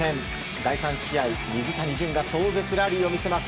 第３試合、水谷隼が壮絶ラリーを見せます。